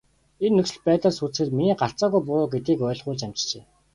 Энэ нөхцөл байдлаас үзэхэд миний гарцаагүй буруу гэдгийг ойлгуулж амжжээ.